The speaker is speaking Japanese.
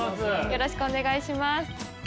よろしくお願いします。